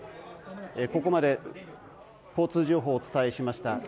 ここまで交通情報をお伝えしました。